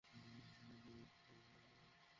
আমার বিরক্ত করা উচিত হয়নি।